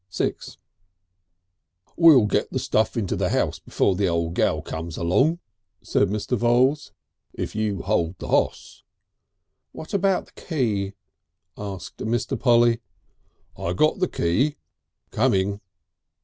VI "We'll get the stuff into the house before the old gal comes along," said Mr. Voules, "if you'll hold the hoss." "How about the key?" asked Mr. Polly. "I got the key, coming."